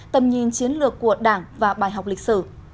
tầm nhìn chiến lược của đảng và bài học lịch sử